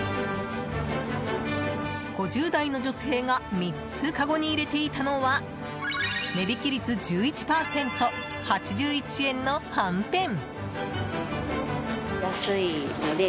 ５０代の女性が３つかごに入れていたのは値引き率１１％、８１円のはんぺん。